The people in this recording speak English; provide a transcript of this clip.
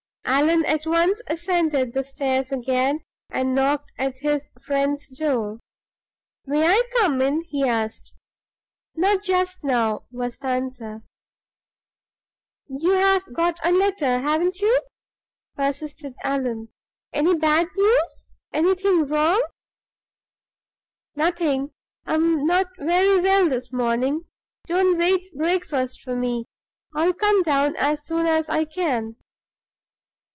Allan at once ascended the stairs again, and knocked at his friend's door. "May I come in?" he asked. "Not just now," was the answer. "You have got a letter, haven't you?" persisted Allan. "Any bad news? Anything wrong?" "Nothing. I'm not very well this morning. Don't wait breakfast for me; I'll come down as soon as I can."